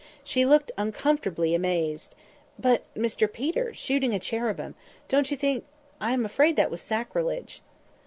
She looked uncomfortably amazed— "But, Mr Peter, shooting a cherubim—don't you think—I am afraid that was sacrilege!"